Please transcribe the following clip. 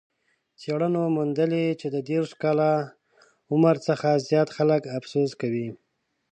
څېړنو موندلې چې د دېرش کاله عمر څخه زیات خلک افسوس کوي.